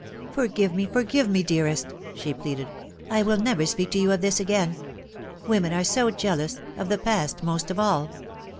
" Forgive me, forgive me, dearest," she pleaded, " I will never speak to you of this again. Women are so jealous of the past most of all."